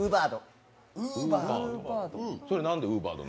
ウーバード！